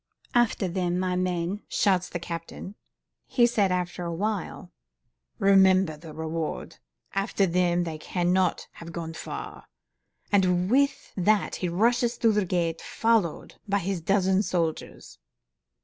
"'After them, my men,' shouts the captain," he said, after a while, "'remember the reward; after them, they cannot have gone far!' And with that he rushes through the gate, followed by his dozen soldiers."